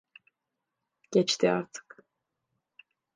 Geçti artık.